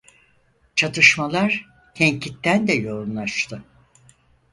Çatışmalar Tenkitten'de yoğunlaştı.